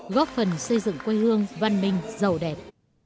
góp phần xây dựng quê hương văn minh giàu đẹp